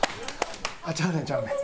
あっちゃうねんちゃうねん。